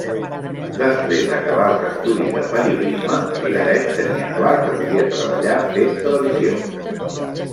Després d'acabar els estudis de periodisme, Vilaret tenia clar que volia treballar fent televisió.